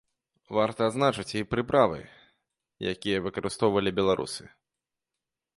Варта адзначыць і прыправы, якія выкарыстоўвалі беларусы.